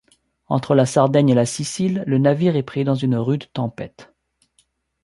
Entre la Sardaigne et la Sicile, le navire est pris dans une rude tempête.